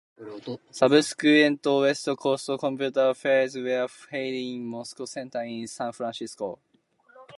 Subsequent West Coast Computer Faires were held in Moscone Center in San Francisco.